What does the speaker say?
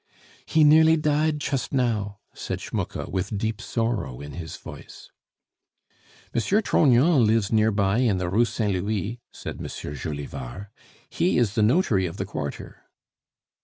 "He nearly died chust now," said Schmucke, with deep sorrow in his voice. "M. Trognon lives near by in the Rue Saint Louis," said M. Jolivard, "he is the notary of the quarter."